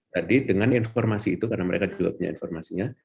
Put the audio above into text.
jadi dengan informasi itu karena mereka juga punya informasinya